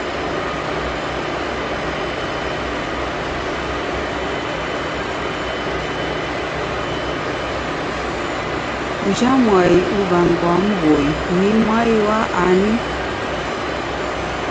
Uja mwai uw'angwaa Mghoi ni mwai wani?